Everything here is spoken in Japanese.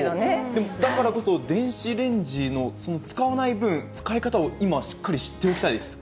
でもだからこそ、電子レンジの使わない分、使い方を今、しっかり知っておきたいです。